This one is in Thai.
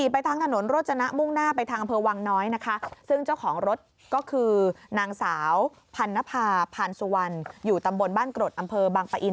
พรรณภาพรรณสุวรรณอยู่ตำบลบ้านกรดอำเภอบังปะอิน